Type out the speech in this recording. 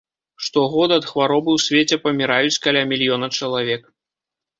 Штогод ад хваробы ў свеце паміраюць каля мільёна чалавек.